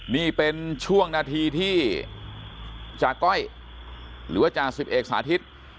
นี่เป็นช่วงนาทีที่จากก้อยหรือว่าจ่าสิบเอกสาธิต